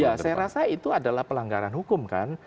ya saya rasa itu adalah pelanggaran hukum kan